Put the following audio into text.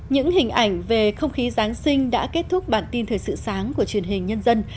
những hình ảnh về không khí giáng sinh đã kết thúc bản tin thời sự sáng của truyền hình nhân dân